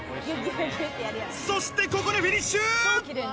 そしてここでフィニッシュ！